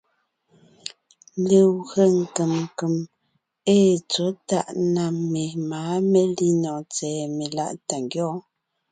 Legwé nkèm nkèm ée tsɔ̌ tàʼ na memáa melínɔɔn tsɛ̀ɛ meláʼ tà ngyɔ́ɔn.